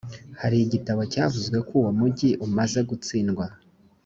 hari igitabo cyavuze ko uwo mugi umaze gutsindwa